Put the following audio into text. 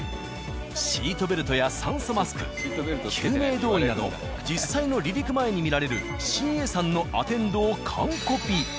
シートベルトや酸素マスク救命胴衣など実際の離陸前に見られるＣＡさんのアテンドを。